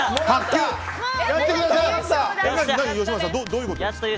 どういうことですか？